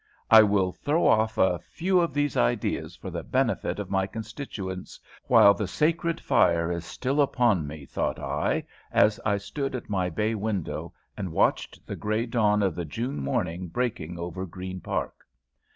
"I will throw off a few of these ideas for the benefit of my constituents, while the sacred fire is still upon me," thought I, as I stood at my bay window, and watched the grey dawn of the June morning breaking over Green Park.